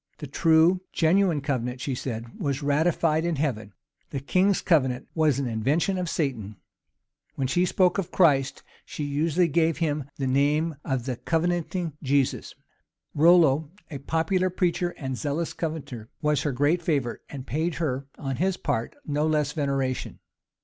The true, genuine covenant, she said, was ratified in heaven: the king's covenant was an invention of Satan: when she spoke of Christ, she usually gave him the name of the Covenanting Jesus. Rollo, a popular preacher, and zealous Covenanter, was her great favorite, and paid her, on his part, no less veneration.